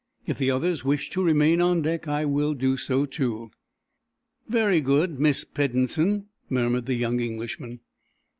If the others wish to remain on deck, I will do so, too." "Very good, Miss Peddensen," murmured the young Englishman.